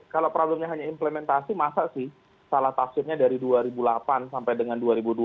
kalau problemnya hanya implementasi masa sih salah tafsirnya dari dua ribu delapan sampai dengan dua ribu dua puluh